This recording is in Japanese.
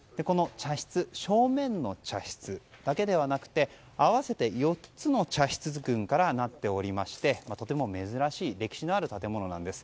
正面の茶室だけではなくて合わせて４つの茶室群からなっておりましてとても珍しい歴史のある建物なんです。